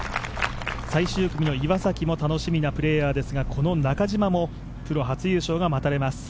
最終組の岩崎も楽しみなプレーヤーですがこの中島もプロ初優勝が待たれます。